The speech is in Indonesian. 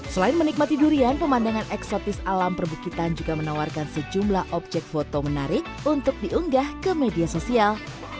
selain menikmati durian pemandangan eksotis alam perbukitan juga menawarkan sejumlah objek foto menarik untuk diunggah ke media sosial